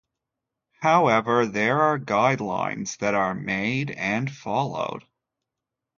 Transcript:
However there are guidelines that are made and followed.